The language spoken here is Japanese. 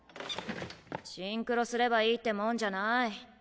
シンクロすればいいってもんじゃない。